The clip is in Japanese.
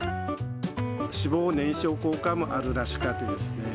脂肪燃焼効果もあるらしかですね。